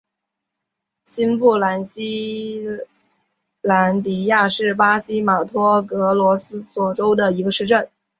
新布拉西兰迪亚是巴西马托格罗索州的一个市镇。